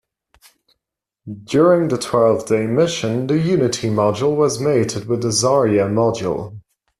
During the twelve-day mission the Unity Module was mated with the Zarya Module.